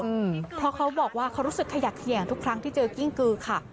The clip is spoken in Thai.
เพราะเขาบอกว่าเขารู้สึกขยักเสี่ยงทุกครั้งที่เจอกิ้งกือค่ะ